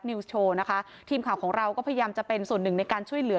โชว์นะคะทีมข่าวของเราก็พยายามจะเป็นส่วนหนึ่งในการช่วยเหลือ